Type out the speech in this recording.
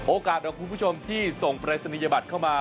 โอกาสที่ส่งเปรตศิริยบัตรเข้ามา